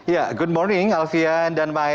ya good morning alfian dan mai